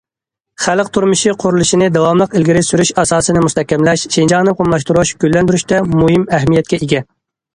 خەلق تۇرمۇشى قۇرۇلۇشىنى داۋاملىق ئىلگىرى سۈرۈش ئاساسنى مۇستەھكەملەش، شىنجاڭنى مۇقىملاشتۇرۇش، گۈللەندۈرۈشتە مۇھىم ئەھمىيەتكە ئىگە.